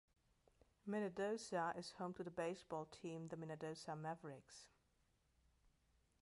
Minnedosa is home to the baseball team the Minnedosa Mavericks.